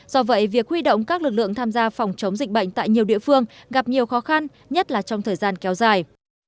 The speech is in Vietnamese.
do vậy việc huy động các lực lượng tham gia phòng chống dịch bệnh tại nhiều địa phương gặp nhiều khó khăn nhất là trong thời gian kéo dài